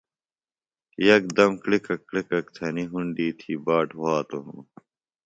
یکدم کِڑکک کِڑکک تھنیۡ ہُونڈی تھی باٹ وھاتوۡ ہِنوۡ